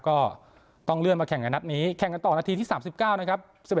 ก็ต้องเลื่อนมาแข่งในนัดนี้แข่งกันต่อนาทีที่๓๙นะครับ